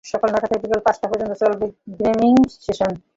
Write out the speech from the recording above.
সকাল নয়টা থেকে বিকেল পাঁচটা পর্যন্ত চলবে গ্রুমিং সেশন।